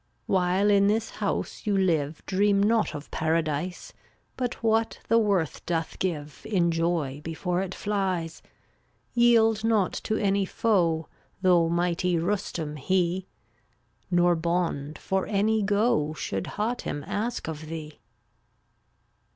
390 While in this house you live Dream not of paradise, But what the worth doth give Enjoy before it flies. Yield not to any foe Though mighty Rustum he, Nor bond for any go Should Hatim ask of thee.